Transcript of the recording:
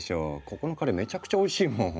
ここのカレーめちゃくちゃおいしいもん。